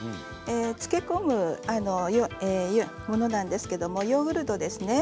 漬け込むものなんですけどヨーグルトですね。